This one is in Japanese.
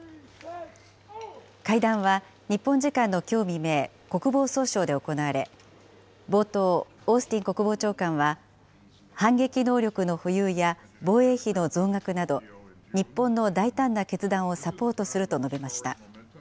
会談は日本時間のきょう未明、国防総省で行われ、冒頭、オースティン国防長官は、反撃能力の保有や防衛費の増額など、日本の大胆な決断をサポートすると述べました。